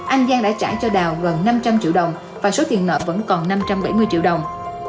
anh giang đã trả cho đào gần năm trăm linh triệu đồng và số tiền nợ vẫn còn năm trăm bảy mươi triệu đồng